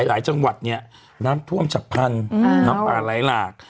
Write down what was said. หลายจังหวัดเนี่ยน้ำท่วมฉับพันธุ์น้ำป่าไหลหลาก